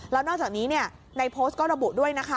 แล้วนอกจากนี้ในโพสต์ก็ระบุด้วยนะคะ